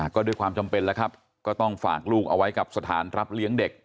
ก็ด้วยความจำเป็นแล้วครับก็ต้องฝากลูกเอาไว้กับสถานรับเลี้ยงเด็ก